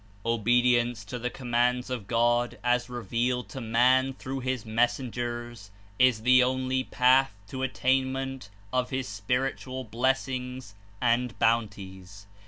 Obedience to the commands of God as revealed to man through his Messengers is the only path to at tainment of his spiritual blessings and bounties.